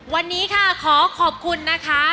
วันนี้ค่ะขอขอบคุณนะคะ